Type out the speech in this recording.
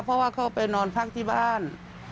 เพราะว่าเขาไปนอนพักที่บ้าน